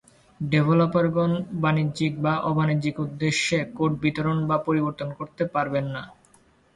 ডেভেলপারগণ বাণিজ্যিক বা অবাণিজ্যিক উদ্দেশ্যে কোড বিতরণ বা পরিবর্তন করতে পারবেন না।